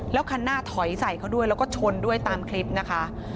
แล้วคันหน้าถอยใส่เขาด้วยแล้วก็ชนด้วยตามคลิปนะคะ